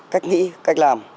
cách nghĩ cách làm